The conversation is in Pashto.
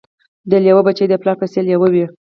د لېوه بچی د پلار په څېر لېوه وي